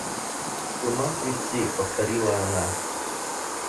С ума свести, — повторила она.